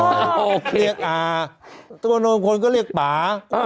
เรียกอาตัวโนมคนก็เรียกป่า